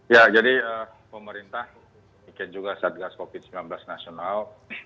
ya jadi pemerintah ikan juga saat gas covid sembilan belas nasional